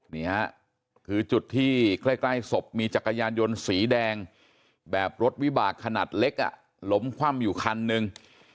นี่ฮะคือจุดที่ใกล้ศพมีจักรยานยนต์สีแดงแบบรถวิบากขนาดเล็กล้มคว่ำอยู่คันหนึ่ง